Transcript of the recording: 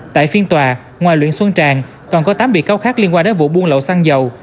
tại phiên tòa ngoài luyện xuân tràng còn có tám bị cáo khác liên quan đến vụ buôn lậu xăng dầu